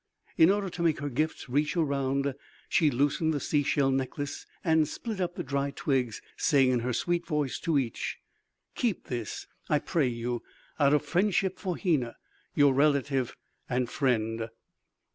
In order to make her gifts reach around, she loosened the sea shell necklace and split up the dry twigs, saying in her sweet voice to each: "Keep this, I pray you, out of friendship for Hena, your relative and friend."